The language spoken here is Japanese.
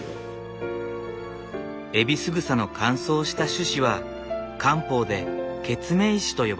エビスグサの乾燥した種子は漢方でケツメイシと呼ばれている。